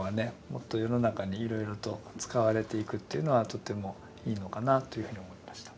もっと世の中にいろいろと使われていくっていうのはとてもいいのかなというふうに思いました。